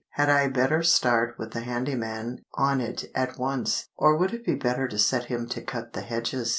Had I better start the handy man on it at once, or would it be better to set him to cut the hedges?